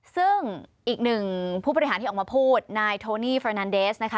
ซึ่งอีกหนึ่งผู้บริหารที่ออกมาพูดนายโทนี่เฟอร์นันเดสนะคะ